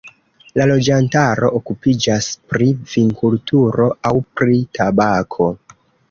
La loĝantaro okupiĝas pri vinkulturo aŭ pri tabako.